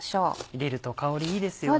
入れると香りいいですよね。